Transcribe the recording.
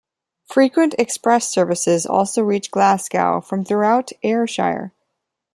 Frequent express services also reach Glasgow from throughout Ayrshire.